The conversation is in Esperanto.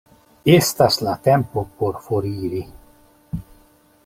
Estas la tempo por foriri.